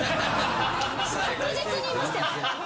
確実に言いましたよね